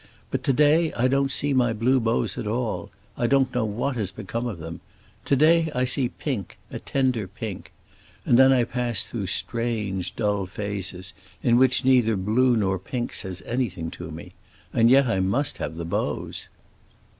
"But to day I don't see my blue bows at all. I don't know what has become of them. To day I see pink—a tender pink. And then I pass through strange, dull phases in which neither blue nor pink says anything to me. And yet I must have the bows."